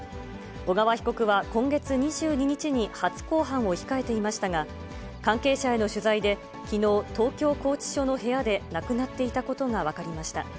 小川被告は今月２２日に初公判を控えていましたが、関係者への取材で、きのう、東京拘置所の部屋で亡くなっていたことが分かりました。